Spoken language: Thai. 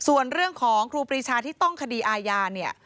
ส่วนเรื่องของครูปรีชาที่ต้องคดีอาญาเนี่ย